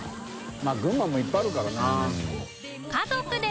泙群馬もいっぱいあるからなうん。